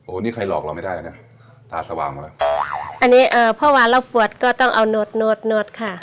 นี่ใครหลอกเราไม่ได้อ่ะนะตาสว่างมาแล้วอันนี้เอ่อเพราะว่าเราปวดก็ต้องเอาหนวดหนวดหวดค่ะ